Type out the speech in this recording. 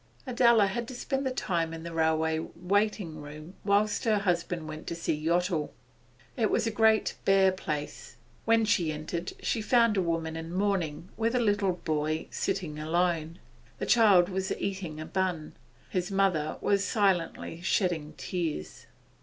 Adela had to spend the time in the railway waiting room whilst her husband went to see Yottle. It was a great bare place; when she entered, she found a woman in mourning, with a little boy, sitting alone. The child was eating a bun, his mother was silently shedding tears.